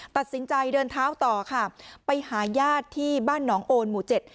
ตัดสินใจเดินเท้าต่อค่ะไปหาญาติที่บ้านหนองโอนหมู่เจ็ด